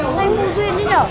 sao em không duyên nữa